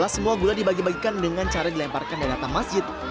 semua gula dibagi bagikan dengan cara dilemparkan dari atas masjid